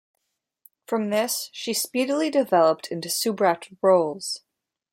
From this she speedily developed into soubrette roles.